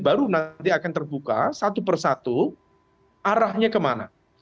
baru nanti akan terbuka satu per satu arahnya kemana